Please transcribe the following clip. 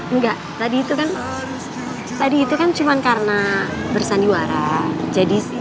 engga tadi itu kan tadi itu kan cuma karena bersandiwara jadi sih